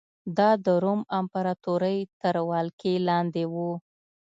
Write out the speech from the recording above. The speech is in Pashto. دا د روم امپراتورۍ تر ولکې لاندې و